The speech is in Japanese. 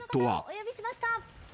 お呼びしました。